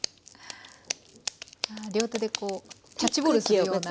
両手でこうキャッチボールするような。